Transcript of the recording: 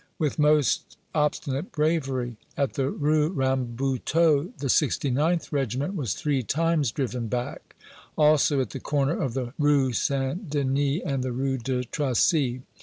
"With most obstinate bravery. At the Rue Rambuteau, the 69th Regiment was three times driven back; also at the corner of the Rue St. Denis and the Rue de Tracy.